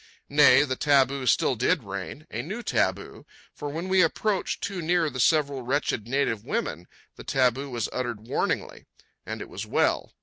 Nay, the taboo still did reign, a new taboo, for when we approached too near the several wretched native women, the taboo was uttered warningly. And it was well.